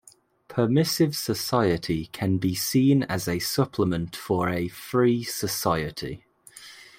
Permissive society can be seen as a supplement for a free society.